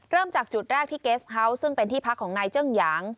เริ่มจากจุดแรกที่เกสเฮาส์ซึ่งเป็นที่พักของนายเจิ้งหยาง